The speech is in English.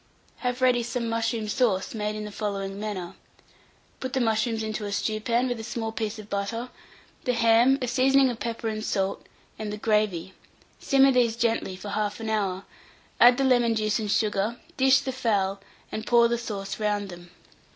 Have ready some mushroom sauce made in the following manner. Put the mushrooms into a stewpan with a small piece of butter, the ham, a seasoning of pepper and salt, and the gravy; simmer these gently for 1/2 hour, add the lemon juice and sugar, dish the fowl, and pour the sauce round them.